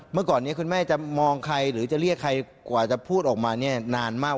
เมื่อก่อนนี้คุณแม่จะมองใครหรือจะเรียกใครกว่าจะพูดออกมาเนี่ยนานมาก